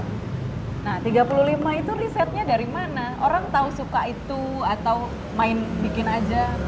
nah tiga puluh lima itu risetnya dari mana orang tahu suka itu atau main bikin aja